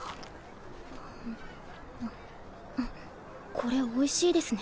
これおいしいですね。